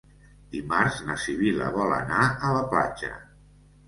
Dimarts na Sibil·la vol anar a la platja.